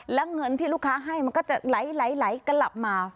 แล้วเงินที่ลูกค้าให้มันก็จะไหลกลับมา